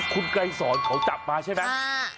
คุณไกรสอนเขาจับมาใช่ไหม